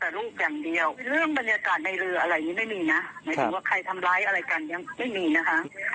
หมายถึงว่าใครทำร้ายอะไรกันยังไม่มีนะคะ